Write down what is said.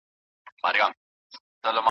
سایبر امنیتي پالیسۍ د ادارو لپاره مهمې دي.